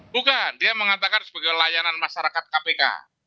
bukan dia mengatakan sebagai layanan masyarakat kpk